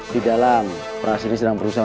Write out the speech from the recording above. di dalam pras ini sedang berusaha